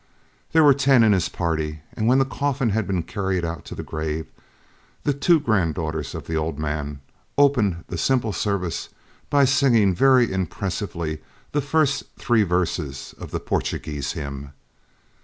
There were ten in his party; and when the coffin had been carried out to the grave, the two granddaughters of the old man opened the simple service by singing very impressively the first three verses of the Portuguese Hymn.